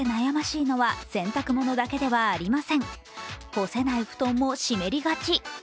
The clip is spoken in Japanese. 干せない布団も湿りがち。